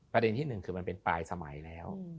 ประเด็นที่หนึ่งคือมันเป็นปลายสมัยแล้ว